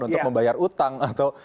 untuk membayar utang atau